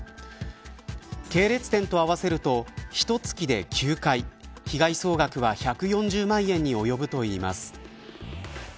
系列店と合わせるとひと月で９回被害総額は１４０万円に及ぶといいます。